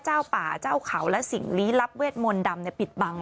เจ้าป่าเจ้าเขาและสิ่งลี้ลับเวทมนต์ดำปิดบัง